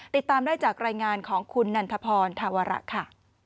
ติดตามได้จากรายงานของคุณนันทพรธาวระค่ะ